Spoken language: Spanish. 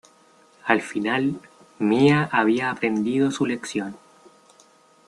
Al final, Mia habia aprendido su lección.